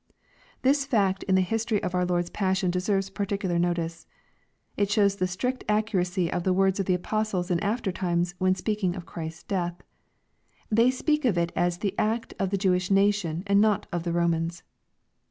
This fact in the history of our Lord's passion deserves particular notice. It shows the strict accuracy of the words of the apostles in after times, when speaking of Christ's death. They speak of it as the act of the Jew ish nation, and not of the Romans.